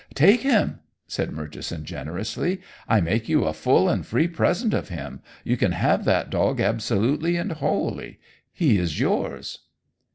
"Take him!" said Murchison generously; "I make you a full and free present of him. You can have that dog absolutely and wholly. He is yours."